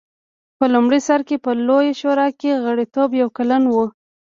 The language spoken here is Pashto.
په لومړي سر کې په لویه شورا کې غړیتوب یو کلن و